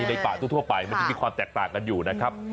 ในป่าทั่วไปมันจะมีความแตกต่างกันอยู่นะครับ